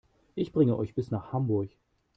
Ich bringe euch bis nach Hamburg